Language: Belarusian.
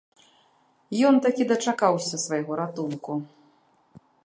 Ён такі дачакаўся свайго ратунку.